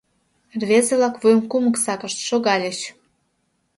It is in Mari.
Рвезе-влак вуйым кумык сакышт, шогальыч.